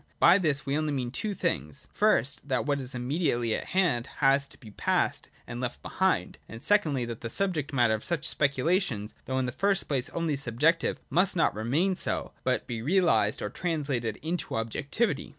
By this we only mean two things : first, that what is immediately at hand has to be passed and left behind ; and secondly, that the subject matter of such speculations, though in the first place only subjective, must not remain so, but be realised or translated into objectivity.